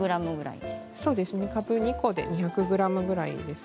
大体かぶ２個で２００ｇくらいです。